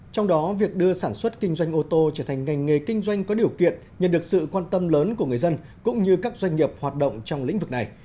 trong đó việc đưa sản xuất kinh doanh ô tô trở thành ngành nghề kinh doanh có điều kiện nhận được sự quan tâm lớn của người dân cũng như các doanh nghiệp hoạt động trong lĩnh vực này